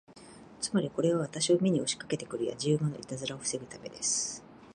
つまり、これは私を見に押しかけて来るやじ馬のいたずらを防ぐためです。